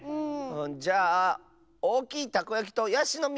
じゃあおおきいたこやきとやしのみ！